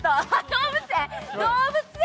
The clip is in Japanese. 動物園。